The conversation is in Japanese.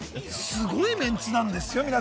すごいメンツですよ！